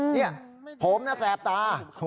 ดิผมนะแสบตา